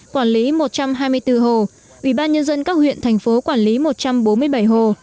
quản lý một trăm hai mươi bốn hồ ủy ban nhân dân các huyện thành phố quản lý một trăm bốn mươi bảy hồ